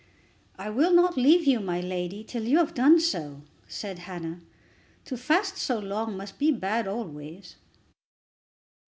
"I will not leave you, my lady, till you have done so," said Hannah. "To fast so long must be bad always."